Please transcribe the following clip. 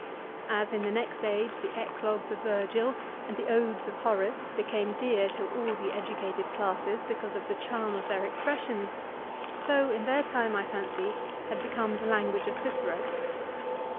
As in the next age the Eclogues of Virgil and the Odes of Horace became dear to all the educated classes because of the charm of their expression, so in their time, I fancy, had become the language of Cicero.